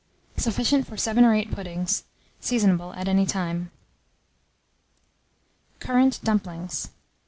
Sufficient for 7 or 8 puddings. Seasonable at any time. CURRANT DUMPLINGS.